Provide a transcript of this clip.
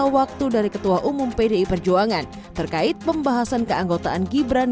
waktu dari ketua umum pdi perjuangan terkait pembahasan keanggotaan gibran